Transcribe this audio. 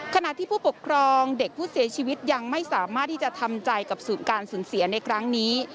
ขณะที่ผู้ปกครองเด็กผู้เสียชีวิตยังไม่สามารถที่จะทำใจกับสูตรการสูญเสียในครั้งนี้